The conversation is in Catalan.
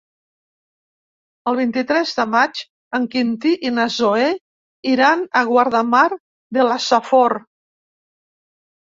El vint-i-tres de maig en Quintí i na Zoè iran a Guardamar de la Safor.